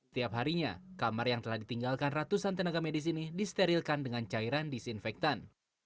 tiap harinya kamar yang telah ditinggalkan ratusan tenaga medis ini disterilkan dengan cairan disinfektan